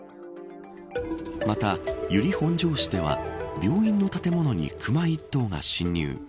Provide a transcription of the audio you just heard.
また、由利本荘市では病院の建物にクマ１頭が侵入。